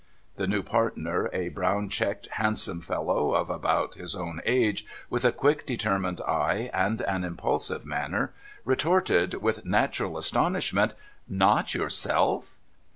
The new partner, a brown checked handsome fellow, of about his own age, with a quick determined eye and an impulsive manner, retorted with natural astonishment :' Not yourself?'